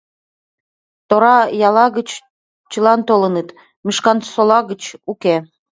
— Тора ялла гыч чылан толыныт, Мишкансола гыч — уке.